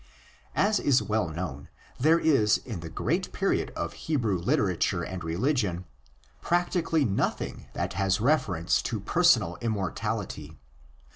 As is well known, there is in the great period of Hebrew literature and religion practically nothing that has reference to personal immortality.